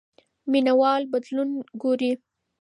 مینه وال بدلون ګوري.